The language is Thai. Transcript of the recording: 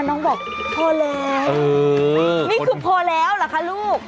น้องบอกพอแล้วนี่คือพอแล้วเหรอคะลูก